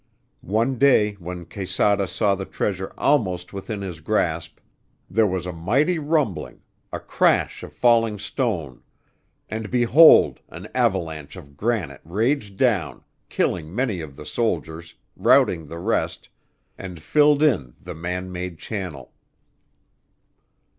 One day when Quesada saw the treasure almost within his grasp, there was a mighty rumbling, a crash of falling stone, and behold! an avalanche of granite raged down, killing many of the soldiers, routing the rest, and filled in the man made channel.